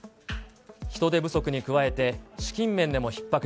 人手不足に加えて、資金面でもひっ迫。